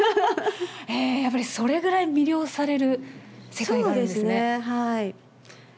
やっぱりそれぐらい魅了される世界なんですね。